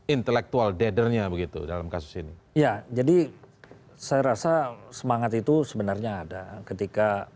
intellectual dadernya begitu dalam kasus ini ya jadi saya rasa semangat itu sebenarnya ada ketika